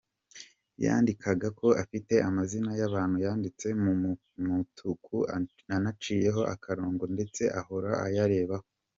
Yandikako afite amazina y’abantu yanditse mu mutuku anaciyeho akarongo ndetse ahora ayarebaho.